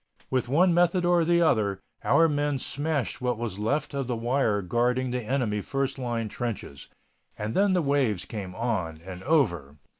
With one method or the other our men smashed what was left of the wire guarding the enemy first line trenches. And then the waves came on and over.